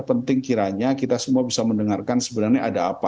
penting kiranya kita semua bisa mendengarkan sebenarnya ada apa